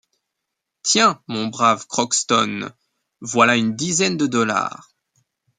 Tiens, mon brave Crockston, voilà une dizaine de dollars.